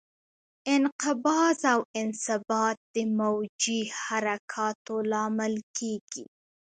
انقباض او انبساط د موجي حرکاتو لامل کېږي.